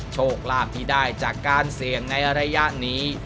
โชคลาภที่ได้จากการเสี่ยงในระยะนี้